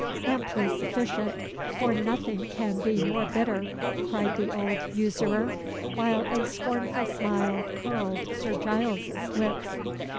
"Amply sufficient for nothing can be more bitter," cried the old usurer, while a scornful smile curled Sir Giles's lips.